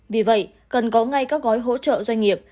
vì vậy cần có ngay các gói hỗ trợ doanh nghiệp